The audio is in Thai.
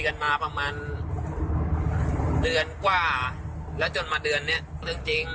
เค้าพูดแล้วบ้างจริง